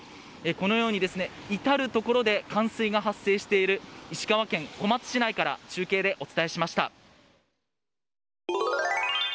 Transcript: このように至るところで冠水が発生している石川県小松市から中継でお伝えしました。